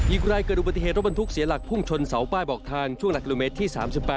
อีกรายเกิดอุบัติเหตุรถบรรทุกเสียหลักพุ่งชนเสาป้ายบอกทางช่วงหลักกิโลเมตรที่๓๘